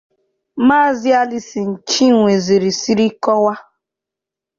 Maazị Alison Chinweze siri kọwaa